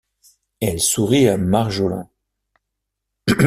Elle sourit à Marjolin.